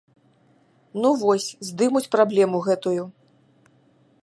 Ну вось, здымуць праблему гэтую.